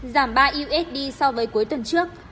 giảm ba usd so với cuối tuần trước